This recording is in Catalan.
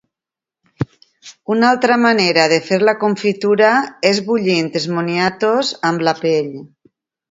Una altra manera de fer la confitura és bullint els moniatos amb la pell.